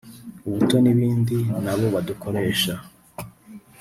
ubuto n’ibindi nabo badukoresha